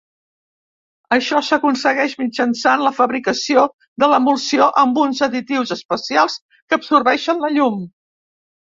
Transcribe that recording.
Això s'aconsegueix mitjançant la fabricació de l'emulsió amb uns additius especials que absorbeixen la llum.